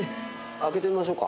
開けてみましょうか。